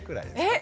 え？